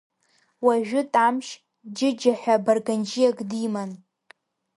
Уажәы Тамшь Џьыџьа ҳәа Барганџьиак диман.